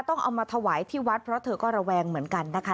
ต้องเอามาถวายที่วัดเพราะเธอก็ระแวงเหมือนกันนะคะ